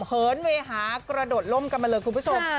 เหินเวหากระโดดล่มกันมาเลยคุณผู้ชม